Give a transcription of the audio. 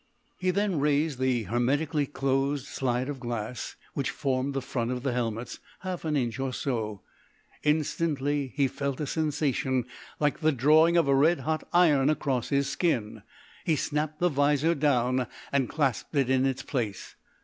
He then raised the hermetically closed slide of glass, which formed the front of the helmets, half an inch or so. Instantly he felt a sensation like the drawing of a red hot iron across his skin. He snapped the visor down and clasped it in its place.